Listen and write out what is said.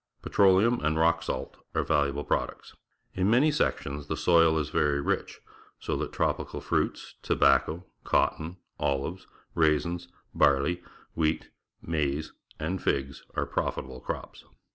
Petroleum and rock salt are valuable products. In many sections the soil is very rich, so that tropical fruits, tobacco, cotton, oUves, raisins, barlej', wheat, maize, and figs are profitable crops.